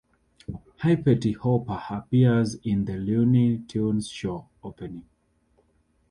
Hippety Hopper appears in "The Looney Tunes Show" opening.